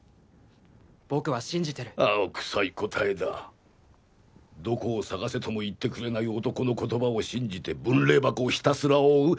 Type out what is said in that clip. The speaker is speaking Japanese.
僕は信じてる青くさい答えだどこを探せとも言ってくれない男の言葉を信じて分霊箱をひたすら追う？